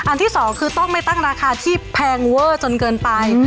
อันที่๒คือต้องไม่ตั้งราคาที่แพงเว่าจนเกินไป